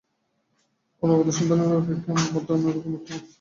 অনাগত সন্তানের অপেক্ষায় আমার মধ্যে অন্য রকম একটা আনন্দ বইতে থাকল।